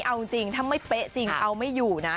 เอาจริงถ้าไม่เป๊ะจริงเอาไม่อยู่นะ